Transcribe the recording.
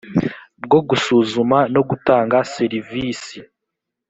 bwo gusuzuma no gutanga serivisi